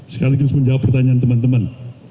sekaligus menjawab pertanyaan teman teman